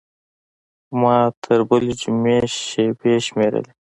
خو ما تر بلې جمعې شېبې شمېرلې.